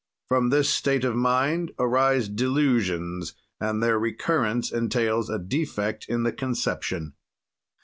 "From this state of mind arise disillusions and their recurrence entails a defect in the conception.